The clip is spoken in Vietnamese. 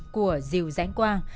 của diều giãnh quang